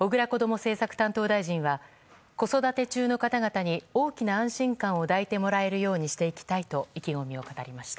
政策担当大臣は子育て中の方々に大きな安心感を抱いてもらえるようにしていきたいと意気込みを語りました。